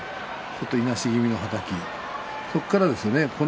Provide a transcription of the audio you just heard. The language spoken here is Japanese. いなし気味のはたきそこからですね